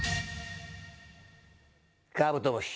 カブトムシ。